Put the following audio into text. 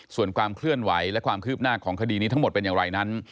ส่วนความเคลื่อนไหวและความคืบหน้าของคดีนี้ทั้งหมดเป็นอย่างไรนั้น